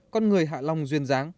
con người hạ long duyên giáng